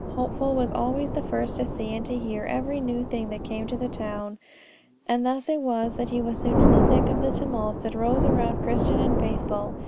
Hopeful was always the first to see and to hear every new thing that came to the town, and thus it was that he was soon in the thick of the tumult that rose around Christian and Faithful.